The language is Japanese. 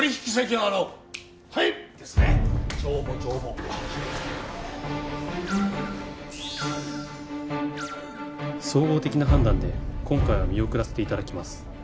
帳簿帳簿総合的な判断で今回は見送らせていただきます